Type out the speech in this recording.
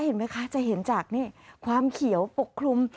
เห็นไหมคะจะเห็นจากนี่ความเขียวปกคลุม